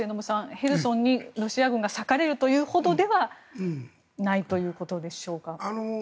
ヘルソンにロシア軍が割かれるというほどではないということでしょうか？